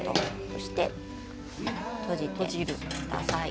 そして閉じてください。